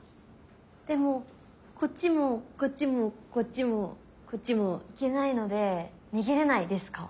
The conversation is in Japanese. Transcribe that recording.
でもこっちもこっちもこっちもこっちも行けないので逃げれないですか？